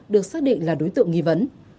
được xác định là đối tượng nghi vấn